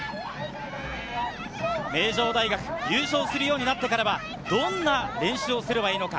名城大学、優勝するようになってからは、どんな練習をすればいいのか？